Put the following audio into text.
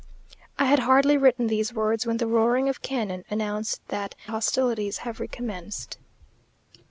I had hardly written these words when the roaring of cannon announced that hostilities have recommenced.